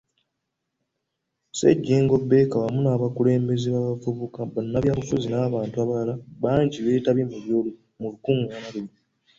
Ssejjengo Baker wamu n'abakulembeze b'abavubuka, bannabyabufuzi n'abantu abalala bangi beetabye mu lukungaana luno.